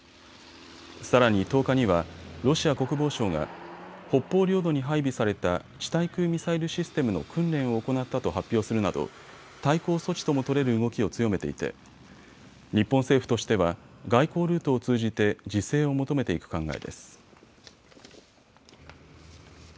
さらに１０日にはロシア国防省が北方領土に配備された地対空ミサイルシステムの訓練を行ったと発表するなど対抗措置とも取れる動きを強めていて日本政府としては外交ルートを通じて自制を求めていく考えです。